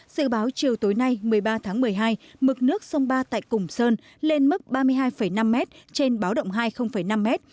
dự báo chiều tối nay một mươi ba tháng một mươi hai mực nước sông ba tại củng sơn lên mức ba mươi hai năm m trên báo động hai năm m